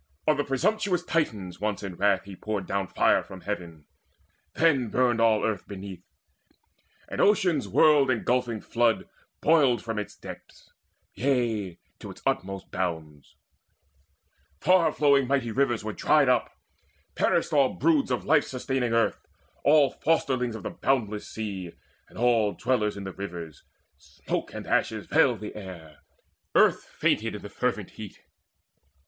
On the presumptuous Titans once in wrath He poured down fire from heaven: then burned all earth Beneath, and Ocean's world engirdling flood Boiled from its depths, yea, to its utmost bounds: Far flowing mighty rivers were dried up: Perished all broods of life sustaining earth, All fosterlings of the boundless sea, and all Dwellers in rivers: smoke and ashes veiled The air: earth fainted in the fervent heat.